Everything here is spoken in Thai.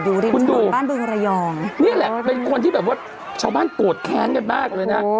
อยู่ในบนบ้านเบื้องระยองนี่แหละเป็นคนที่แบบว่าชาวบ้านโกรธแค้นแบบมากเลยน่ะ